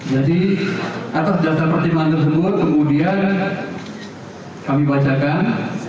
jadi atas dasar pertimbangan tersebut kemudian kami bacakan